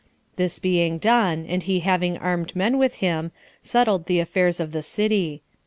This being done, and he having armed men with him, settled the affairs of the city.